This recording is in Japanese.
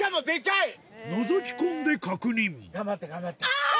のぞき込んで確認あぁ！